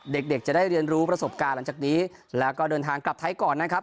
เด็กเด็กจะได้เรียนรู้ประสบการณ์หลังจากนี้แล้วก็เดินทางกลับไทยก่อนนะครับ